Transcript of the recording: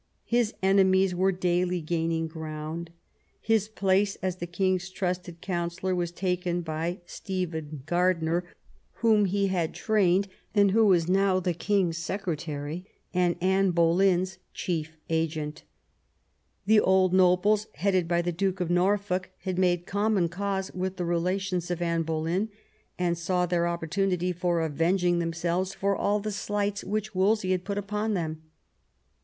His enemies were daily gaining ground. His place, as the king's trusted counsellor, was taken by Stephen Gar IX THE KING'S DIVORCE 177 diner, whom he had trained, and who was now the king's secretary and Anne Boleyn's chief agent. The old nobles, headed by the Duke of Norfolk, had made common cause with the relations of Anne Boleyn, and saw their opportunity of avenging themselves for all the slights which Wolsey had put upon them.